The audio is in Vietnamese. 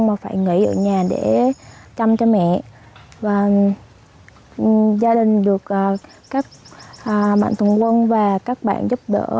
mà phải nghỉ ở nhà để chăm cho mẹ và gia đình được các bạn tùng quân và các bạn giúp đỡ